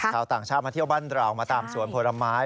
ชาวต่างชาติมาเที่ยวบ้านเรามาตามสวนผลไม้